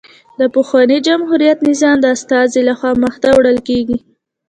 د پخواني جمهوري نظام د استازي له خوا مخته وړل کېږي